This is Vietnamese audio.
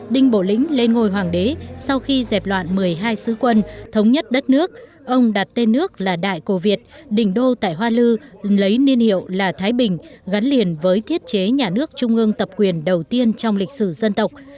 đinh bộ lĩnh lên ngôi hoàng đế sau khi dẹp loạn một mươi hai sứ quân thống nhất đất nước ông đặt tên nước là đại cổ việt đỉnh đô tại hoa lư lấy niên hiệu là thái bình gắn liền với thiết chế nhà nước trung ương tập quyền đầu tiên trong lịch sử dân tộc